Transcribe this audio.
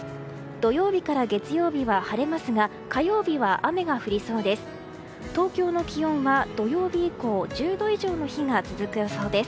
土曜日から月曜日は晴れますが火曜日は雨が降りそうです。